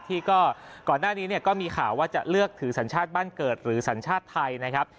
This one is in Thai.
ที่ก็ก่อนหน้านี้เนี่ยก็มีข่าวว่าจะเลือกถือสัญชาติบ้านเกิดหรือสัญชาติไทยนะครับ